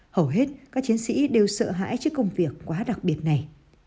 hầu hết các chiến sĩ đều sợ hãi trước công việc quá đặc biệt này